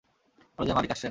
কলেজের মালিক আসছেন।